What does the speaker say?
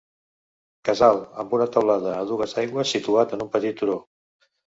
Casal amb teulada a dues aigües situat en un petit turó.